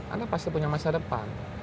anda pasti punya masa depan